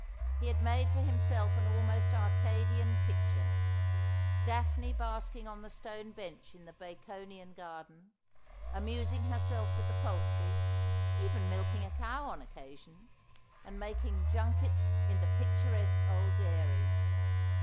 He had made for himself an almost Arcadian picture : Daphne basking on the stone bench in the Baconian garden ; amusing herself with the poultry ; even milking a cow on occasion ; and making junkets in the ^ After my Might ful fayne ivold I You plese.' 151 picturesque old dairy.